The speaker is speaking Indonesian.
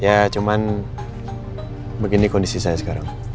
ya cuman begini kondisi saya sekarang